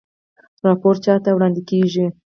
راپور چا ته وړاندې کیږي؟